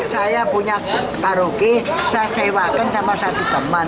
saya punya karaoke saya sewakan sama satu teman